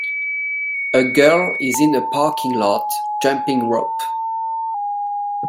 A girl is in a parking lot jumping rope.